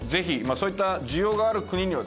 そういった需要がある国にはですね